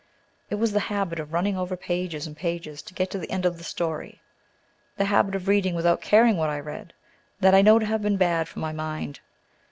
It was the habit of running over pages and pages to get to the end of a story, the habit of reading without caring what I read, that I know to have been bad for my mind.